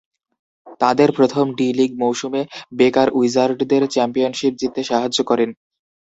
তাদের প্রথম ডি-লীগ মৌসুমে, বেকার উইজার্ডদের চ্যাম্পিয়নশীপ জিততে সাহায্য করেন।